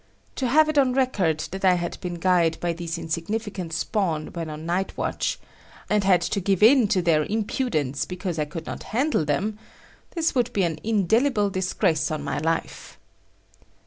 To have it on record that I had been guyed by these insignificant spawn when on night watch, and had to give in to their impudence because I could not handle them,—this would be an indelible disgrace on my life.